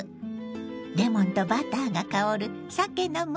レモンとバターが香るさけのムニエル。